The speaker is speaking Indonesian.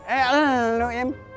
eh lu im